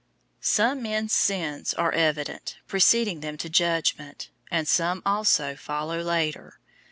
005:024 Some men's sins are evident, preceding them to judgment, and some also follow later.